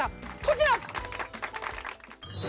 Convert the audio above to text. こちら！